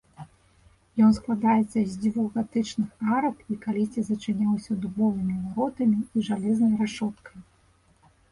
Ён складаецца з дзвюх гатычных арак, і калісьці зачыняўся дубовымі варотамі і жалезнай рашоткай.